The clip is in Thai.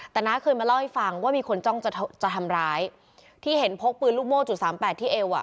แต่น้าเคยมาเล่าให้ฟังว่ามีคนจ้องจะจะทำร้ายที่เห็นพกปืนลูกโม่จุดสามแปดที่เอวอ่ะ